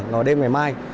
nó đêm ngày mai